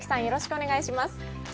よろしくお願いします。